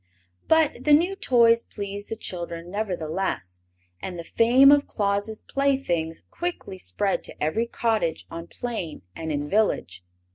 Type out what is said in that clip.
But the new toys pleased the children nevertheless, and the fame of Claus' playthings quickly spread to every cottage on plain and in village.